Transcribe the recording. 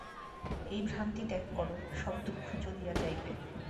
এই ভ্রান্তি ত্যাগ কর, সব দুঃখ চলিয়া যাইবে।